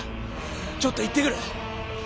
ちょっと行ってくる。